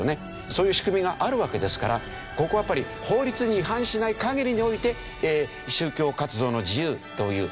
そういう仕組みがあるわけですからここはやっぱり法律に違反しない限りにおいて宗教活動の自由という。